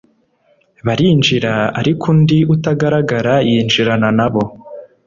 barinjira ariko undi utagaragara yinjirana nabo.